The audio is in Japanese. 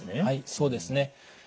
はいそうですね。